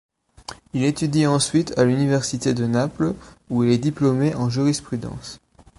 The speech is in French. Il étudie ensuite à l'Université de Naples où il est diplômé en Jurisprudence.